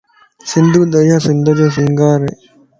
سنڌو دريا سنڌ جو سينگار ا